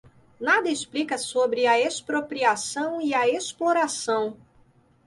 nada explica sobre a expropriação e a exploração